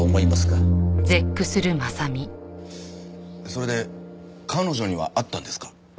それで彼女には会ったんですか？